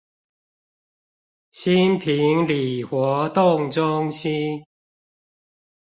新坪里活動中心